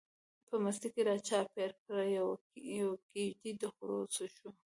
په مستۍ کی را چار پیر کړه، یوه کیږدۍ دخورو څڼو